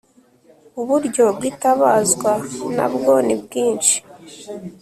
Uburyo bwitabazwa na bwo ni bwinshi.